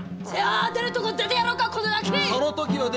じゃあ出るとこ出てやろうかこのガキ！